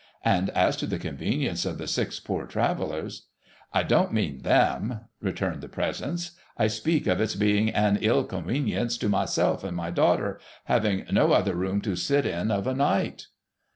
And as to the convenience of the six Poor Travellers '' I don't mean them,' returned the presence. ' I speak of its being an ill conwenience to myself and my daughter, having no other room to sit in of a night.'